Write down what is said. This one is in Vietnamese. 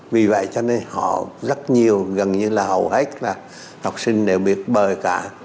vì vậy cho nên họ rất nhiều gần như là hầu hết là học sinh đều biết bờ cả